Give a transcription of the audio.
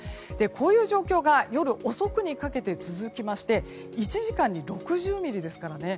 こういう状況が夜遅くにかけて続きまして１時間に６０ミリですからね。